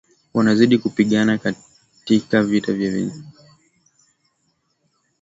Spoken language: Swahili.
wanazidi kupigana katika vita vya wenyewe kwa wenyewe